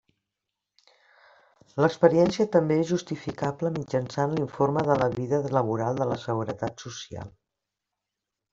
L'experiència també és justificable mitjançant l'informe de la vida laboral de la Seguretat Social.